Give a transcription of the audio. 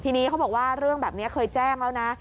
ทีนี้เขาบอกว่าเรื่องแบบนี้เคยแจ้งแล้วนะ